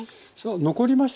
残りましたね